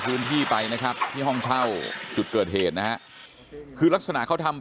พื้นที่ไปนะครับที่ห้องเช่าจุดเกิดเหตุนะฮะคือลักษณะเขาทำ